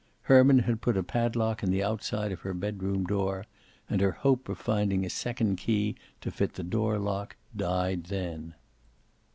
Herman had put a padlock on the outside of her bedroom door, and her hope of finding a second key to fit the door lock died then.